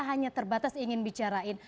hanya terbatas ingin bicarain